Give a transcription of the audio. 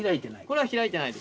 これは開いてない？